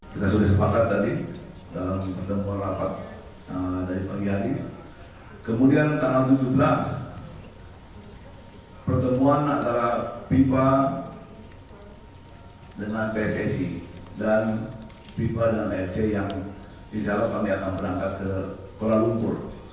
fifa dan afc yang disalahkan akan berangkat ke kuala lumpur yaitu rabat kuala lumpur